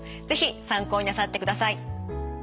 ぜひ参考になさってください。